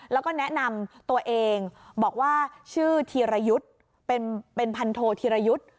แล้วก็แนะนำตัวเองบอกว่าชื่อธีรยุทธ์เป็นพันโทธีรยุทธ์